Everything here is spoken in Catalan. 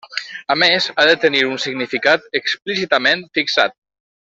A més, ha de tenir un significat explícitament fixat.